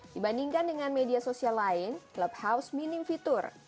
dibandingkan dengan media sosial lain clubhouse minim fitur